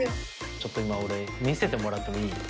ちょっと今俺見せてもらってもいい？